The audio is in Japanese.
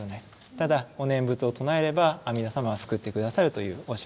ただお念仏を唱えれば阿弥陀様は救って下さるという教えなんですね。